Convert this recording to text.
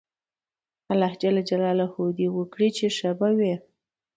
خدای دې وکړي چې ښه به وئ